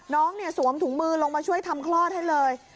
น้องเนี่ยสวมถุงมือลงมาช่วยทำคลอดให้เลย